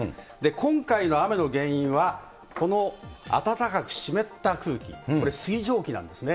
今回の雨の原因は、この暖かく湿った空気、これ、水蒸気なんですね。